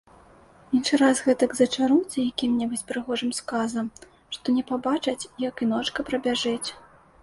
Іншы раз гэтак зачаруюцца якім-небудзь прыгожым сказам, што не пабачаць, як і ночка прабяжыць.